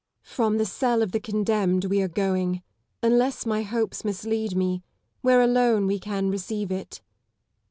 From the cell of the condemned we are going, unless my hopes mislead me, where alone we can receive it.